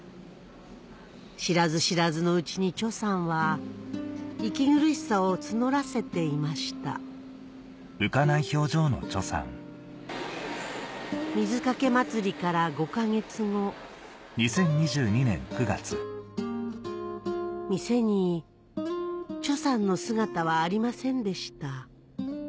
知らず知らずのうちにチョさんは息苦しさを募らせていました水かけ祭りから５か月後店にチョさんの姿はありませんでした